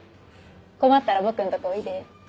困ったら僕んとこおいで。